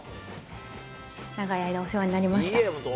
長い間お世話になりました。